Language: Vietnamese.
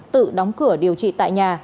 tự đóng cửa điều trị tại nhà